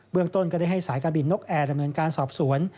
เมืองต้นก็ได้ให้สายการบินนกแอร์ดำเนินการสอบสวน